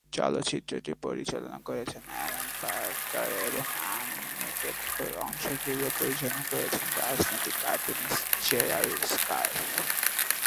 চলচ্চিত্রটি পরিচালনা করেছেন অ্যালান পার্কার এবং অ্যানিমেটেড অংশগুলির পরিচালনা করেছেন রাজনৈতিক কার্টুনিস্ট জেরাল্ড স্কার্ফ।